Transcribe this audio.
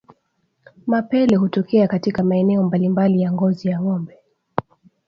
Mapele hutokea katika maeneo mbalimbali ya ngozi ya ngombe